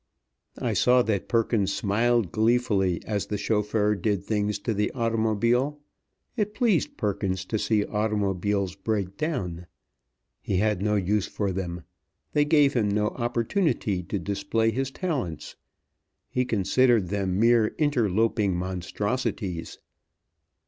I saw that Perkins smiled gleefully as the chauffeur did things to the automobile. It pleased Perkins to see automobiles break down. He had no use for them. They gave him no opportunity to display his talents. He considered them mere interloping monstrosities.